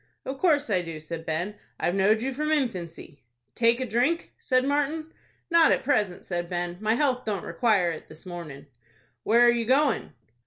"Of course I do," said Ben. "I've knowed you from infancy." "Take a drink?" said Martin. "Not at present," said Ben. "My health don't require it this mornin'." "Where are you going?"